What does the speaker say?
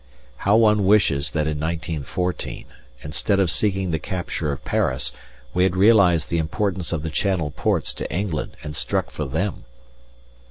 How one wishes that in 1914, instead of seeking the capture of Paris, we had realized the importance of the Channel Ports to England, and struck for them!